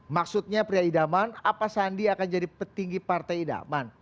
maksudnya pria idaman apa sandi akan jadi petinggi partai idaman